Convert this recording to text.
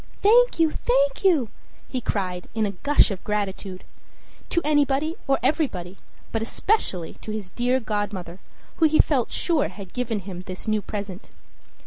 "Thank you, thank you!" he cried, in a gush of gratitude to anybody or everybody, but especially to his dear godmother, who he felt sure had given him this new present.